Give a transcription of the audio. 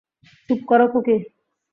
চুপ করো, খুকি।